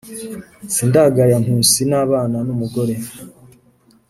Sindagaya Nkusi N’abana n’umugore